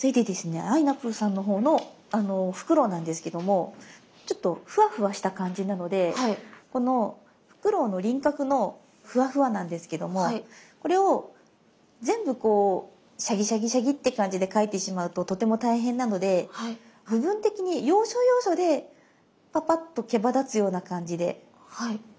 あいなぷぅさんのほうのフクロウなんですけどもちょっとふわふわした感じなのでこのフクロウの輪郭のふわふわなんですけどもこれを全部こうシャギシャギシャギって感じで描いてしまうととても大変なので部分的に要所要所でパパッとけばだつような感じで描いていきます。